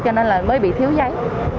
cho nên là mới bị thiếu giấy